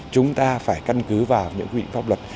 chúng ta phải căn cứ vào những quy định pháp luật